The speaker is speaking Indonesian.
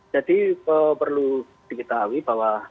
jadi perlu diketahui bahwa